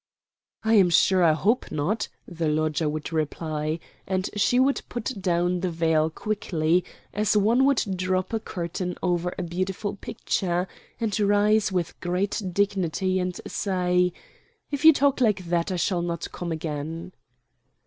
"I am sure I hope not," the lodger would reply, and she would put down the veil quickly, as one would drop a curtain over a beautiful picture, and rise with great dignity and say, "if you talk like that I shall not come again."